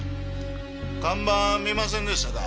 看板見ませんでしたか？